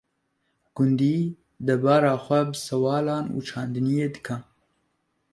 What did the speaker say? Gundî debara xwe bi sewalan û çandiniyê dike.